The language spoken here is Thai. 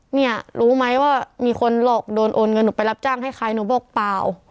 เนี่ยรู้ไหมว่ามีคนหลอกโดนโอนเงินหนูไปรับจ้างให้ใครหนูบอกเปล่า